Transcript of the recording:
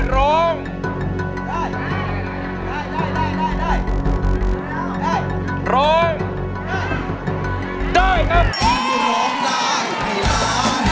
ร้องได้ให้ร้าน